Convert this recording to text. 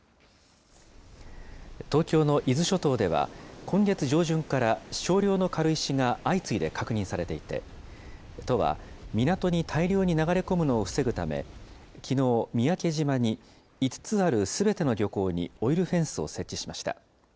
東京の伊豆諸島では、今月上旬から少量の軽石が相次いで確認されていて、都は港に大量に流れ込むのを防ぐため、きのう、三宅島に５つあるすべての漁港にオイルフェンスを設置しました。